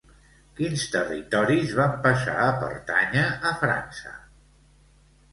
Quins territoris van passar a pertànyer a França?